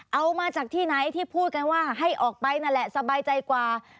เอามาจากที่ไหนที่พูดกันว่าให้ออกไปนั่นแหละสบายใจกว่า